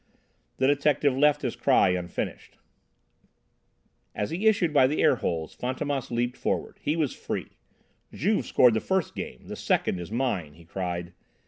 The detective left his cry unfinished. As he issued by the air holes, Fantômas leaped forward. He was free! "Juve scored the first game, the second is mine," he cried.